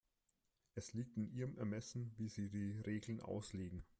Es liegt in Ihrem Ermessen, wie Sie die Regeln auslegen.